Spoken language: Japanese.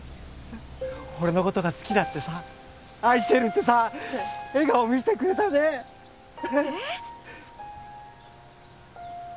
俺の事が好きだってさ愛してるってさ笑顔を見せてくれたよね？え！？